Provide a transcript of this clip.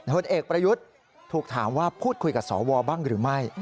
ผลเอกประยุทธ์ถูกถามว่าพูดคุยกับสวบ้างหรือไม่